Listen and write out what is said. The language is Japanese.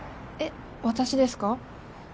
えっ私ですか？